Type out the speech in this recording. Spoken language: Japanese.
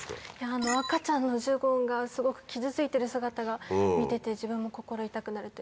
あの赤ちゃんのジュゴンがすごく傷ついてる姿が見てて自分も心痛くなるというか。